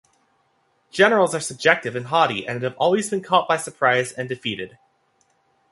Generals are subjective and haughty, and have always been caught by surprise and defeated.